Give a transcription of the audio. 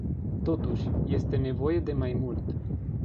Totuși, este nevoie de mai mult.